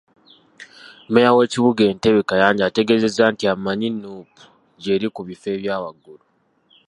Mmeeya w'ekibuga Entebe, Kayanja, ategeezezza nti amaanyi Nuupu gyeri ku bifo ebyawaggulu .